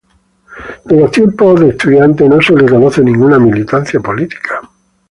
De los tiempos de estudiante no se le conoce ninguna militancia política.